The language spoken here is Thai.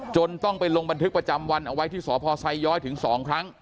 ต้องไปลงบันทึกประจำวันเอาไว้ที่สพไซย้อยถึง๒ครั้ง